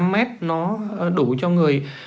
một năm mét nó đủ cho người